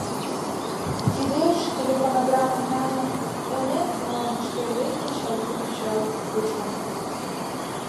Кидеш телефонограммым налын, Элнет гаваньышке рейд начальникым кычал куржым.